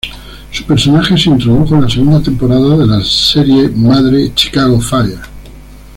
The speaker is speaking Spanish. Su personaje se introdujo en la segunda temporada de la serie madre Chicago Fire.